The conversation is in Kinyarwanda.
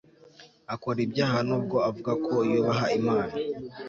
akora ibyaha nubwo avuga ko yubaha imana